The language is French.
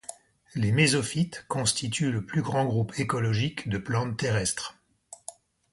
Les mésophytes constituent le plus grand groupe écologique de plantes terrestres.